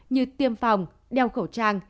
như tiêm phòng đeo khẩu trang